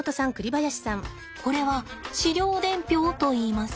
これは飼料伝票といいます。